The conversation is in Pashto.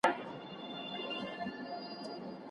په واسکټ چي یې ښایستې حوري وېشلې